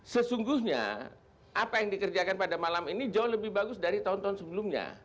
sesungguhnya apa yang dikerjakan pada malam ini jauh lebih bagus dari tahun tahun sebelumnya